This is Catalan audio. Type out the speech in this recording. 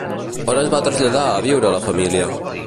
On es va traslladar a viure la família?